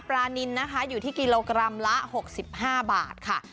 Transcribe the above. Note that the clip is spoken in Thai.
นินนะคะอยู่ที่กิโลกรัมละ๖๕บาทค่ะ